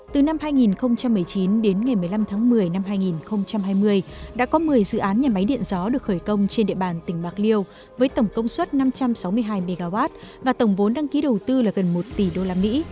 từ năm hai nghìn một mươi chín đến ngày một mươi năm tháng một mươi năm hai nghìn hai mươi đã có một mươi dự án nhà máy điện gió được khởi công trên địa bàn tỉnh bạc liêu với tổng công suất năm trăm sáu mươi hai mw và tổng vốn đăng ký đầu tư là gần một tỷ usd